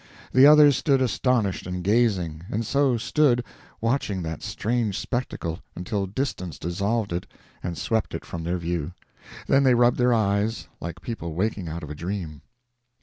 The others stood astonished and gazing; and so stood, watching that strange spectacle until distance dissolved it and swept it from their view. Then they rubbed their eyes like people waking out of a dream.